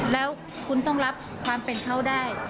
แล้วคุณต้องรับความเป็นเขาได้